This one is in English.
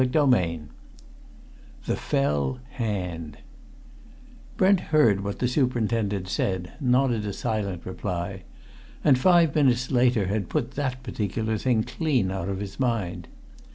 CHAPTER XX THE FELL HAND Brent heard what the superintendent said, nodded a silent reply, and five minutes later had put that particular thing clean out of his mind.